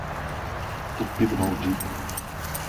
Cupido maldito